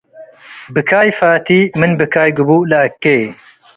ብካይ ፋቲ ምን ብካይ ግቡእ ለአኬ